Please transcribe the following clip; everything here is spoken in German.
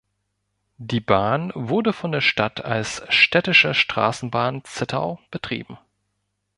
Die Bahn wurde von der Stadt als "Städtische Straßenbahn Zittau" betrieben.